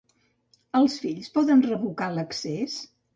Els fills poden revocar l'accés?